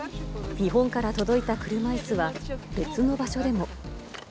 日本から届いた車いすは、別の場所でも。